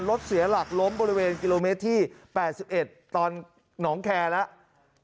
รถเสียหลักล้มบริเวณกิโลเมตรที่๘๑ตอนหนองแคร์แล้ว